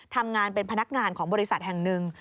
ทำงานเป็นพนักงานของบริษัทแห่งหนึ่ง